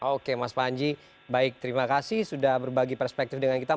oke mas panji baik terima kasih sudah berbagi perspektif dengan kita